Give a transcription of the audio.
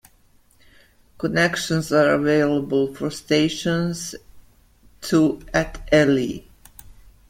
Connections are available for stations to at Ely.